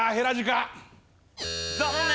残念！